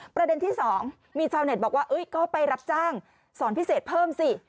ประเด็นที่๒มีชาวเน็ตบอกว่าก็ไปรับจ้างสอนพิเศษเพิ่มสิ